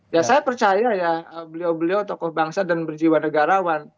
ya saya percaya ya beliau beliau tokoh bangsa dan berjiwa negarawan